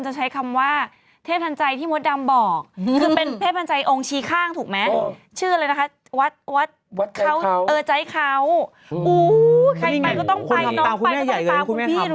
เจอใจเขาอู้วใครไปก็ต้องไปน้องไปก็ต้องไปป่าวคุณพี่ดูสิ